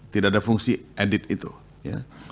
tidak ada fungsi edit itu ya